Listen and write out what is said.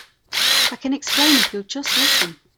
I can explain if you'll just listen.